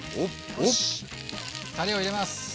よしたれを入れます。